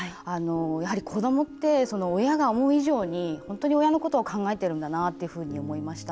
やはり子どもって親が思う以上に本当に親のことを考えているんだなと思いました。